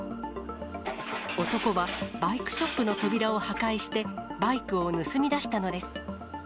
男はバイクショップの扉を破壊してバイクを盗み出したのです。